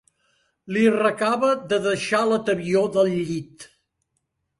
Li recava de deixar la tebior del llit.